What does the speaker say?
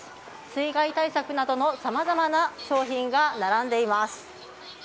水害対策などのさまざまな商品が並んでいます。